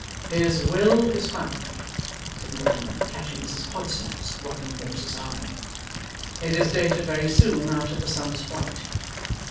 'His will is found,' said Mortimer, catching Mrs Podsnap's rocking horse's eye. 'It is dated very soon after the son's flight.